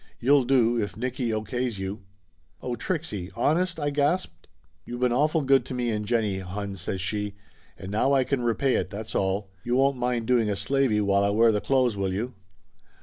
You'll do, if Nicky O. K's you." "Oh, Trixie honest?" I gasped. "You been awful good to me and Jennie, hon," says she. "And now I can repay it, that's all ! You won't mind doing a slavey, while I wear the clothes, will you?"